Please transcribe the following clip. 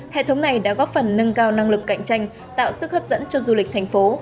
hệ thống này đã góp phần nâng cao năng lực cạnh tranh tạo sức hấp dẫn cho du lịch thành phố